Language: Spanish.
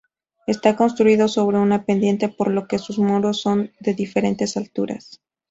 Está construido sobre una pendiente, por lo que sus muros son de diferentes alturas.